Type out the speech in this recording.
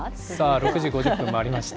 ６時５０分回りました。